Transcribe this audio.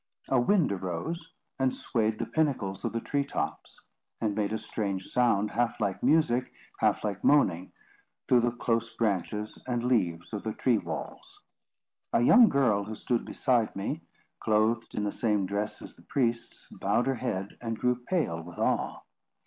A wind arose, and swayed the pinnacles of the tree tops; and made a strange sound, half like music, half like moaning, through the close branches and leaves of the tree walls. A young girl who stood beside me, clothed in the same dress as the priests, bowed her head, and grew pale with awe.